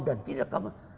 dan tidak akan